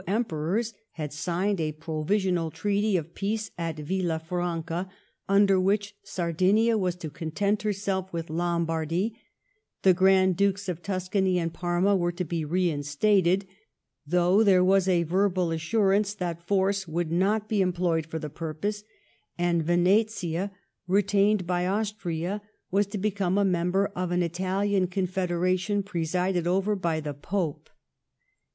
Emperors had signed a provisional treaty of peace at Villafranoa^ under which Sardinia was to con? tent herself with Lombardy ; the Grand Dukes of Tus cany and Parma were to be reinstated, though there was a verbal assurance that force would not be employed for the purpose ; and Venetia, retained by Austria, was to become a member of an Italian Oonfederationy pre sided over by the Pope.